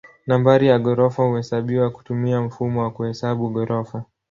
Nambari ya ghorofa huhesabiwa kutumia mfumo wa kuhesabu ghorofa.